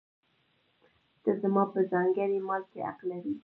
ته زما په ځانګړي مال کې حق لرې.